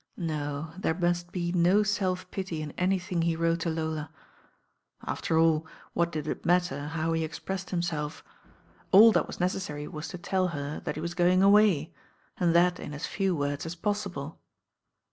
No Acre must be no self pity in anything he wrote to After all, what did it matter how he expressed himself? AU that was necessary was to tell her that he was going away, and that in as few words as possible.